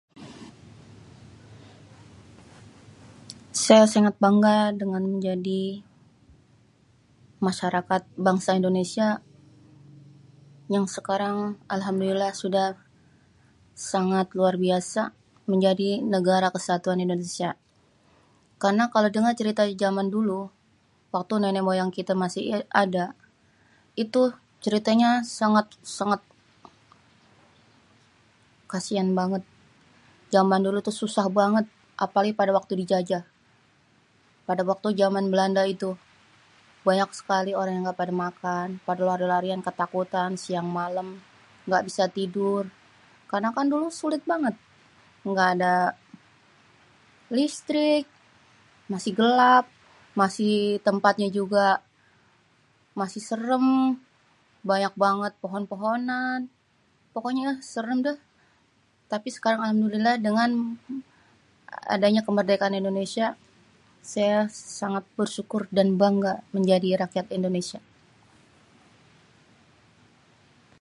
Saya sangat bangga dengan menjadi masyarakat bangsa Indonesia yang sekarang alhamdulillah sudah sangat luar biasa menjadi negara kesatuan Indonesia. Karna kalau denger cerita jaman dulu, waktu nenek moyang kita masih ada, itu ceritanya sangat, sangat kasian banget. Jaman dulu tuh susah banget, apalagi pada waktu dijajah. Pada waktu jaman Belanda itu, banyak sekali orang yang nggak pada makan, lari-larian ketakutan siang malem, nggak bisa tidur. Karna kan dulu sulit banget nggak ada listrik, masih gelap, masih tempatnya juga masih serem, banyak banget pohon-pohonan. Pokoknya ah serem dah. Tapi sekarang alhamdulillah dengan adanya kemerdekaan Indonesia, saya sangat bersyukur dan bangga jadi rakyat Indonesia.